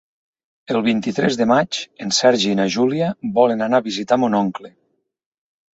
El vint-i-tres de maig en Sergi i na Júlia volen anar a visitar mon oncle.